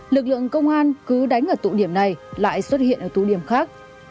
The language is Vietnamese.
lực lượng công an cứ đánh ở tụ điểm này lại xuất hiện ở tụ điểm khác